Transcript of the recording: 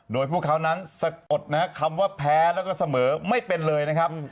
โดยพวกเขานั้นสะกดนะครับคำว่าแพ้แล้วก็เสมอไม่เป็นเลยนะครับ